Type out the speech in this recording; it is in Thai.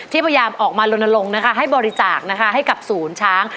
พยายามออกมาลนลงนะคะให้บริจาคนะคะให้กับศูนย์ช้าง